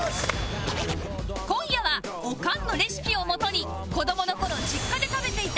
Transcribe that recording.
今夜はオカンのレシピをもとに子どもの頃実家で食べていた思い出のご馳走を完全再現